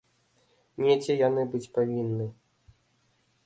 Недзе яны быць павінны.